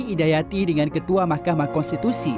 hidayati dengan ketua mahkamah konstitusi